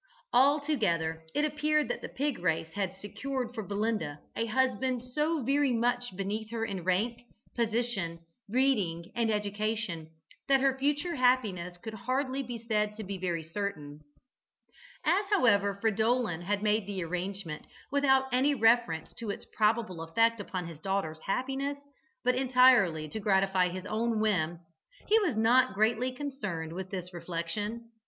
Altogether it appeared that the pig race had secured for Belinda a husband so very much beneath her in rank, position, breeding and education that her future happiness could hardly be said to be very certain. As, however, Fridolin had made the arrangement without any reference to its probable effect upon his daughter's happiness, but entirely to gratify his own whim, he was not greatly concerned with this reflection.